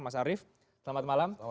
mas arief selamat malam